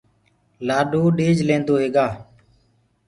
لآڏو ڏيج لينٚدوئي هيگآ